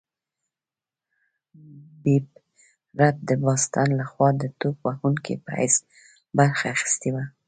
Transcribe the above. بېب رت د باسټن لخوا د توپ وهونکي په حیث برخه اخیستې وه.